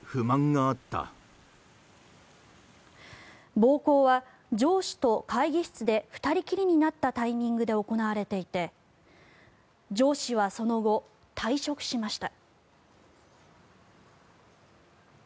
暴行は、上司と会議室で２人きりになったタイミングで行われていて上司はその後、退職しました。